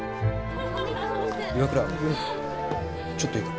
岩倉ちょっといいか？